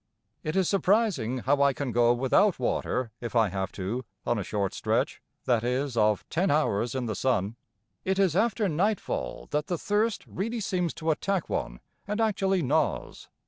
It is surprising how I can go without water if I have to on a short stretch, that is, of ten hours in the sun. It is after nightfall that the thirst really seems to attack one and actually gnaws.